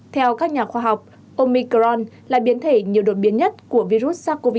theo các nhà khoa học omicron là biến thể nhiều đột biến nhất của virus sars cov hai